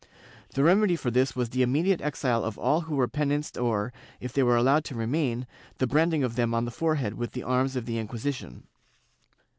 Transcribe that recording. The remedy for this was the immediate exile of all who were penanced or, if they were allowed to remain, the branding of them on the forehead with the arms of the Inquisition.